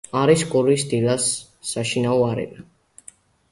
არის გორის „დილას“ საშინაო არენა.